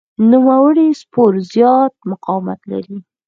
نوموړی سپور زیات مقاومت لري.